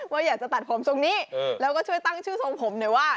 ว่าอยากจะตัดผมทรงนี้แล้วก็ช่วยตั้งชื่อทรงผมหน่อยว่า